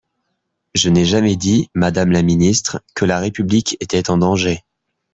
Je n’ai jamais dit, madame la ministre, que la République était en danger.